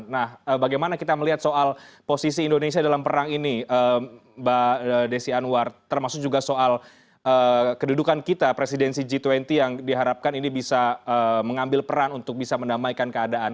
nah bagaimana kita melihat soal posisi indonesia dalam perang ini mbak desi anwar termasuk juga soal kedudukan kita presidensi g dua puluh yang diharapkan ini bisa mengambil peran untuk bisa mendamaikan keadaan